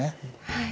はい。